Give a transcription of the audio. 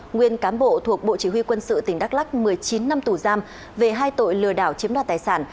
nguyên cán bộ thuộc bộ chỉ huy quân sự tỉnh đắk lắc một mươi chín năm tù giam về hai tội lừa đảo chiếm đoạt tài sản